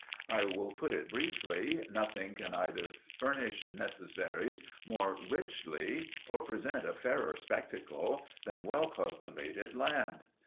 I will put it briefly: nothing can either furnish necessaries more richly, or present a fairer spectacle, than well cultivated land.